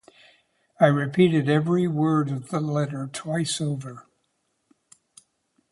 I repeated every word of the letter twice over.